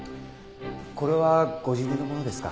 これはご自分のものですか？